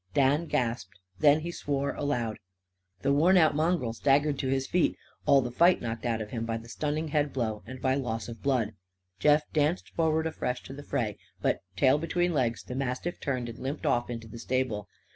Dan gasped. Then he swore aloud. The worn out mongrel staggered to his feet, all the fight knocked out of him by the stunning head blow and by loss of blood. Jeff danced forward afresh to the fray. But, tail between legs, the mastiff turned and limped off into the stable.